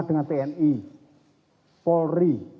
dengan tni polri